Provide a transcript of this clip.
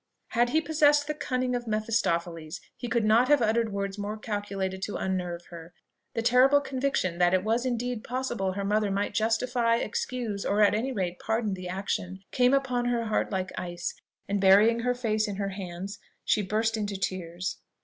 Had he possessed the cunning of Mephistophiles, he could not have uttered words more calculated to unnerve her. The terrible conviction that it was indeed possible her mother might justify, excuse, or, at any rate, pardon the action, came upon her heart like ice, and burying her face in her hands, she burst into tears.